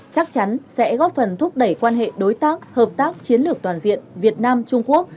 chắc chắn sẽ góp phần thúc đẩy quan hệ đối tác hợp tác chiến lược toàn diện việt nam trung quốc